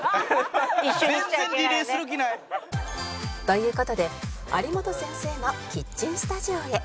という事で有元先生のキッチンスタジオへ